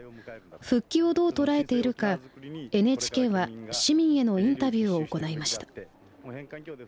復帰をどう捉えているかＮＨＫは市民へのインタビューを行いました。